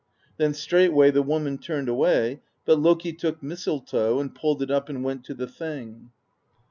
Then straightway the woman turned away; but Loki took Mis tletoe and pulled it up and went to the Thing.